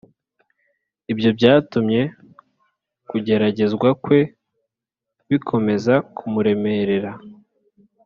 ibyo byatumye kugeragezwa kwe bikomeza kumuremerera